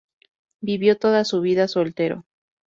Vivió toda su vida soltero.